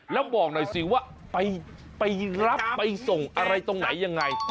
แล้วบอกหน่อยสิว่าไปรับไปส่งอะไรตรงไหนยังไง